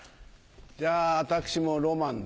じゃあ私もロマンで。